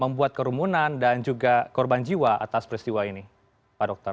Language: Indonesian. membuat kerumunan dan juga korban jiwa atas peristiwa ini pak dokter